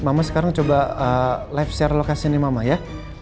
mama sekarang coba live share lokasi ini mama ya